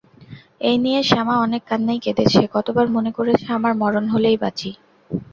এই নিয়ে শ্যামা অনেক কান্নাই কেঁদেছে, কতবার মনে করেছে আমার মরণ হলেই বাঁচি।